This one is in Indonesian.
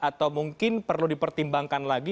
atau mungkin perlu dipertimbangkan lagi